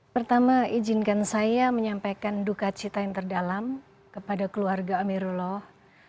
pertama izinkan saya menyampaikan duka cita yang terdalam kepada keluarga amirullah